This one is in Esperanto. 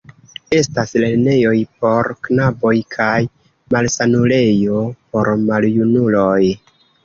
Estas lernejoj por knaboj kaj malsanulejo por maljunuloj.